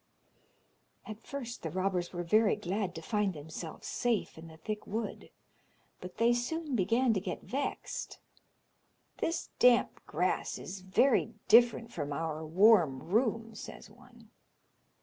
At first the robbers were very glad to find themselves safe in the thick wood, but they soon began to get vexed. "This damp grass is very different from our warm room," says one.